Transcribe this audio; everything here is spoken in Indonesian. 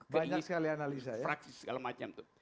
keinginan fraksi segala macam tuh